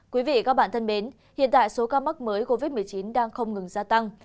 quý vị và các bạn thân mến hiện tại số ca mắc mới covid một mươi chín đang không ngừng gia tăng